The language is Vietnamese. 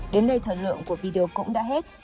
đến đây thời lượng của video cũng đã hết